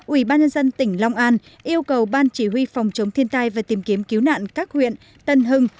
ubnd tỉnh long an yêu cầu ban chỉ huy phòng chống thiên tai và tìm kiếm cứu nạn các huyện tân hưng